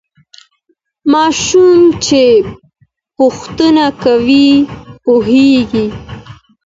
ماشوم چي پوښتنه کوي پوهېږي.